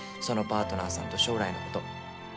そのパートナーさんと将来のこと。